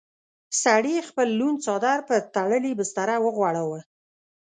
سړي خپل لوند څادر پر تړلې بستره وغوړاوه.